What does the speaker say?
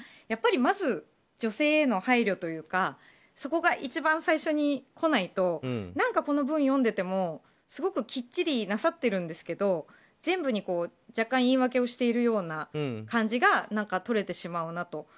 やっぱり、まず女性への配慮というかそこが一番最初に来ないと何かこの文を読んでてもすごくきっちりなさってるんですけど全部に若干言い訳をしているようん感じが取れてしまうなと。